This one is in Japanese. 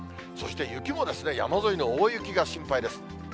そして雪もですね、山沿いの大雪が心配です。